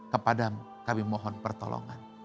kepadamu kami mohon pertolongan